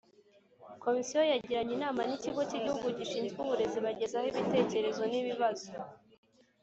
Komisiyo Yagiranye Inama N Ikigo Cy Igihugu Gishinzwe Uburezi Ibagezaho Ibitekerezo N Ibibazo